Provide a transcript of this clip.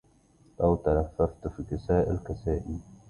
لو تلففت في كساء الكسائي